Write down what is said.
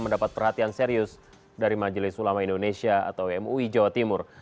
mendapat perhatian serius dari majelis ulama indonesia atau mui jawa timur